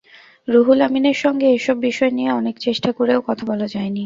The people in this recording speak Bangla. রুহুল আমিনের সঙ্গে এসব বিষয় নিয়ে অনেক চেষ্টা করেও কথা বলা যায়নি।